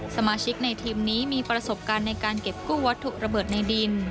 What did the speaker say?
สมาชิกในทีมนี้มีประสบการณ์ในการเก็บกู้วัตถุระเบิดในดิน